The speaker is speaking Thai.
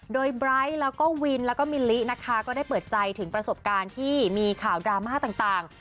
โดยไบร์ทแล้วก็วินแล้วก็มิลลินะคะก็ได้เปิดใจถึงประสบการณ์ที่มีข่าวดราม่าต่าง